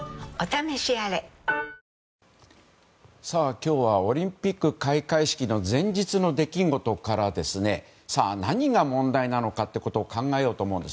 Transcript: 今日はオリンピック開会式の前日の出来事から何が問題なのかを考えようと思います。